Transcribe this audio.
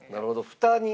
ふたに。